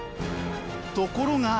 ところが。